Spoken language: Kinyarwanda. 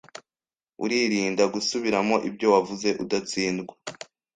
uririnda gusubiramo ibyo wavuze udatsindwa